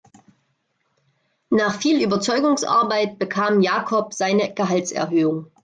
Nach viel Überzeugungsarbeit bekam Jakob seine Gehaltserhöhung.